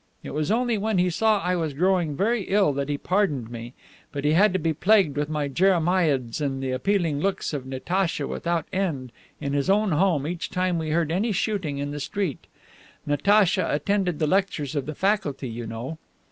It was only when he saw I was growing very ill that he pardoned me, but he had to be plagued with my jeremiads and the appealing looks of Natacha without end in his own home each time we heard any shooting in the street. Natacha attended the lectures of the Faculty, you know.